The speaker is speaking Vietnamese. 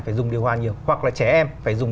phải dùng điều hòa nhiều hoặc là trẻ em phải dùng